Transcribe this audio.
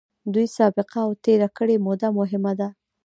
دوی سابقه او تېره کړې موده مهمه ده.